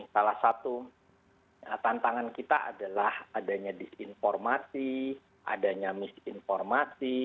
salah satu tantangan kita adalah adanya disinformasi adanya misinformasi